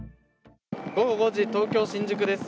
午後５時、東京・新宿です。